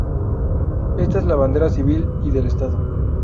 Esta es la bandera civil y del Estado.